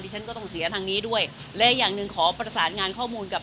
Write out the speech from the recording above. ฉันก็ต้องเสียทางนี้ด้วยและอย่างหนึ่งขอประสานงานข้อมูลกับ